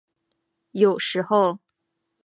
有时候。